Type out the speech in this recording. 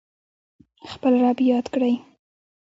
خپل رب یاد کړئ